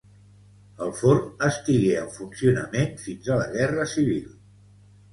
El forn estigué en funcionament fins a la Guerra Civil.